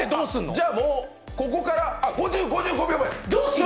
じゃあもう、ここからあっ、５５秒前！